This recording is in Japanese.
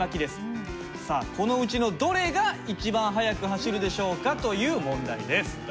さあこのうちのどれが一番速く走るでしょうか？という問題です。え。